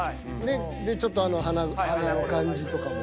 でちょっと鼻鼻の感じとかも。